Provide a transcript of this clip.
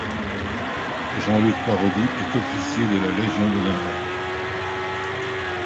Jean-Luc Parodi est officier de la Légion d'honneur.